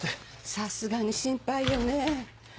さすがに心配よね。